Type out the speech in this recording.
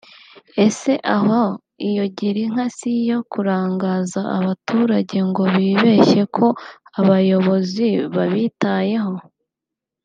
Ese aho iyo girinka s’iyo kurangaza abaturage ngo bibeshye ko abayobozi babitayeho